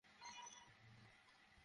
দত্তক নেওয়া ছেলে।